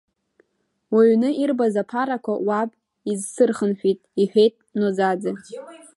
Уҩны ирбаз аԥарақәа уаб изсырхынҳәит, — иҳәеит Ноӡаӡе.